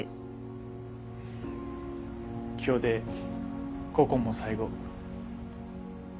今日でここも最後。